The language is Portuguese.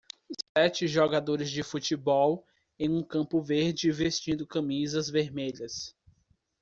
Sete jogadores de futebol em um campo verde vestindo camisas vermelhas